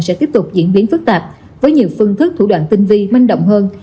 sẽ tiếp tục diễn biến phức tạp với nhiều phương thức thủ đoạn tinh vi manh động hơn